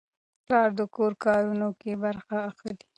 پلار د کور کارونو کې برخه اخلي.